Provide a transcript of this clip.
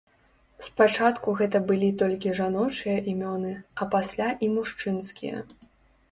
Спачатку гэта былі толькі жаночыя імёны, а пасля і мужчынскія.